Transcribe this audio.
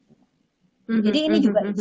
lain jadi ini juga